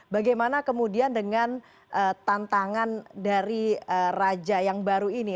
bagaimana kemudian dengan tantangan dari raja yang baru ini